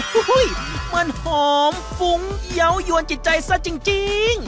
ฮู้ยมันหอมฝงเยาว์ยวนจิตใจซะจริง